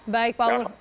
baik pak umur